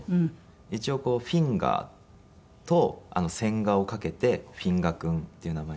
一応「フィンガー」と「千賀」をかけてＦｉＮＧＡ君っていう名前に。